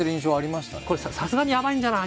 「これさすがにやばいんじゃない？